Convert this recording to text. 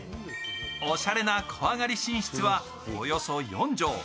おしゃれな小上がり寝室は、およそ４畳。